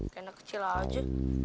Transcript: kayak anak kecil aja